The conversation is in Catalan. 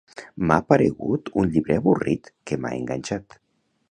M'ha paregut un llibre avorrit que m'ha enganxat.